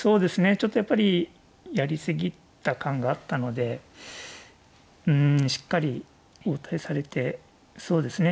ちょっとやっぱりやり過ぎた感があったのでうんしっかり応対されてそうですね。